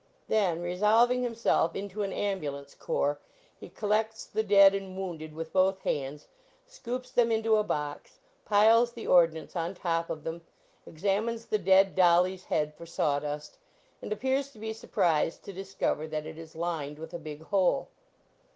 Then, 137 THE BATTLE OF ARDMORE resolving himself into an ambulance corps, he collects the dead and wounded with both hands, scoops them into a box, piles the ord nance on top of them, examines the dead dolly s head for sawdust, and appears to be surprised to discover that it is lined with a big hole.